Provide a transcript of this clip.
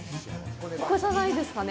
ここじゃないですかね？